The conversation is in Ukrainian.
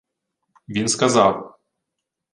Він сказав: